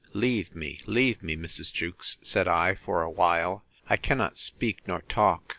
—Leave me, leave me, Mrs. Jewkes, said I, for a while: I cannot speak nor talk.